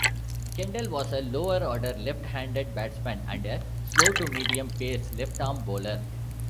Kendall was a lower-order left-handed batsman and a slow-to-medium pace left-arm bowler.